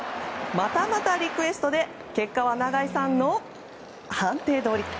またまたリクエストで結果は長井さんの判定どおり。